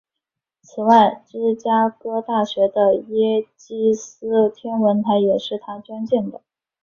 此外芝加哥大学的耶基斯天文台也是他捐建的。